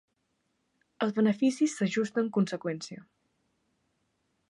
Els beneficis s'ajusten conseqüència.